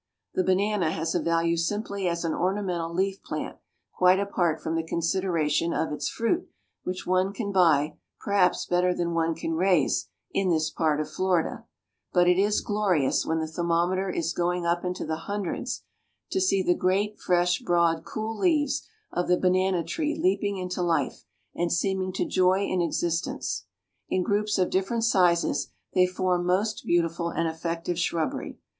The banana has a value simply as an ornamental leaf plant, quite apart from the consideration of its fruit, which one can buy, perhaps, better than one can raise, in this part of Florida; but it is glorious, when the thermometer is going up into the hundreds, to see the great, fresh, broad, cool leaves of the banana tree leaping into life, and seeming to joy in existence. In groups of different sizes, they form most beautiful and effective shrubbery.